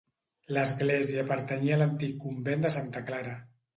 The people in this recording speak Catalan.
L'església pertanyia a l'antic convent de Santa Clara.